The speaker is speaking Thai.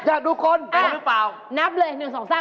อยากดูกลเป็นกับหรือเปล่า